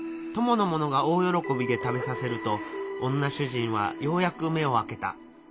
供の者が大喜びで食べさせると女主人はようやく目をあけた。